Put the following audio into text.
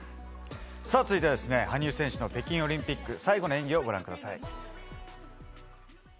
続いては羽生選手の北京オリンピック最後の演技をご覧ください。